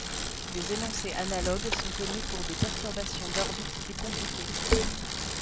Des énoncées analogues sont connues pour des perturbations d'orbites plus compliquées.